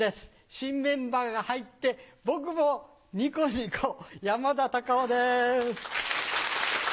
新メンバーが入って、僕もにこにこ、山田隆夫です。